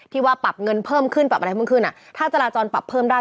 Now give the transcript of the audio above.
ว่าปรับเงินเพิ่มขึ้นปรับอะไรเพิ่มขึ้นอ่ะถ้าจราจรปรับเพิ่มได้